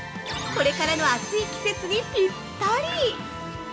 これからの暑い季節にピッタリ！